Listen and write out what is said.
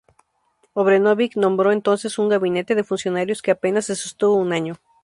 Obrenović nombró entonces un gabinete de funcionarios que apenas se sostuvo un año.